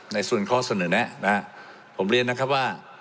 ในส่วนข้อเสนอแนะนะครับผมเรียนนะครับว่า